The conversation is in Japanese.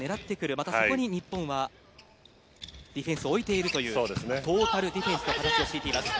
また、そこに日本はディフェンスを置いているというトータルディフェンスの形を敷いています。